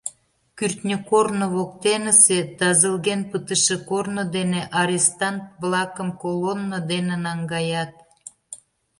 Кӱртньӧ корно воктенысе тазылген пытыше корно дене арестант-влакым колонно дене наҥгаят.